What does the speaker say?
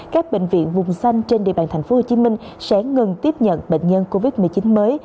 các bệnh viện vùng xanh trên địa bàn thành phố hồ chí minh sẽ ngừng tiếp nhận bệnh nhân covid một mươi chín mới